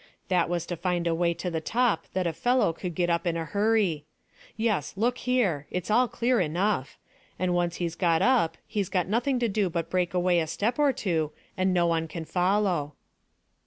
That was to find a way to the top that a fellow could get up in a hurry. Yes look here. It's all clear enough; and once he's got up he's got nothing to do but break away a step or two, and no one can follow."